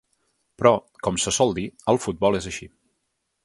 Però, com se sol dir, el futbol és així.